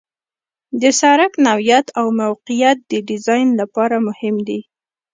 د سرک نوعیت او موقعیت د ډیزاین لپاره مهم دي